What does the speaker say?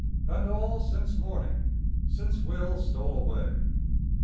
And all since morning, since Will stole away.